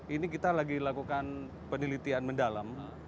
ini kita lagi lakukan penelitian mendalam